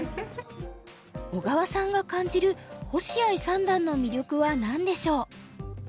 小川さんが感じる星合三段の魅力は何でしょう？